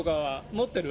持ってる。